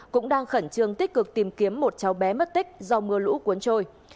cũng đang khẩn trương tích cực tìm kiếm một cháu bé mất tích do mưa lũ cuốn trôi